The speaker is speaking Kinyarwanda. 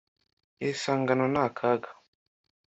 Iri sangano ni akaga.